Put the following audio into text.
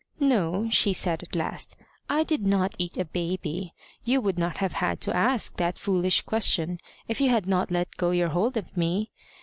"No," she said at last, "I did not eat a baby. You would not have had to ask that foolish question if you had not let go your hold of me.